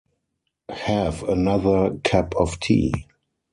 Have another cup of tea!